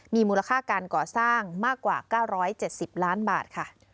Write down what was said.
มีมูลค่าการก่อสร้างมากกว่า๙๗๐ล้านบาทค่ะ